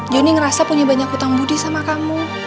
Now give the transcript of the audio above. johnny ngerasa punya banyak hutang budi sama kamu